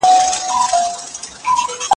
دا امادګي له هغه ګټور دی.